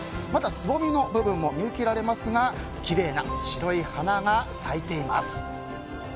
まだ、つぼみの部分も見受けられますがきれいな白い花が咲いています。